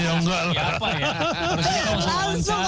iya harusnya orang pertama ya